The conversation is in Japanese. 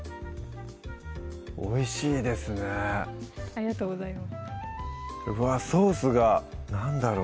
おいしいですねありがとうございますうわぁソースが何だろう